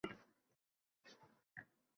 Layli tollar sochlarin o‘rib.